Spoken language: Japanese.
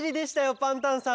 パンタンさん。